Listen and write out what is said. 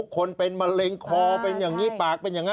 คนเป็นมะเร็งคอเป็นอย่างนี้ปากเป็นอย่างนั้น